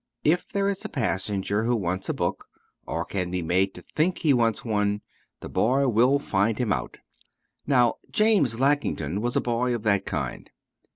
If there is a passenger who wants a book, or can be made to think he wants one, the boy will find him out. Now James Lackington was a boy of that kind.